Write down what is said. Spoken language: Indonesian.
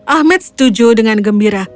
ahmed setuju dengan gembira